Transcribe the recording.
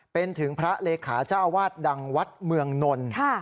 เป็นถึงพระเลขาเจ้าวาดดังวัดเมืองนนท์